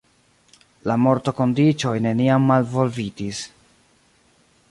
La mortokondiĉoj neniam malvolvitis.